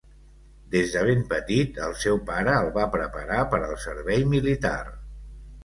Des de ben petit el seu pare el va preparar per al servei militar.